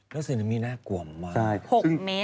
แล้วก็สึนามิหน้ากลวมมาก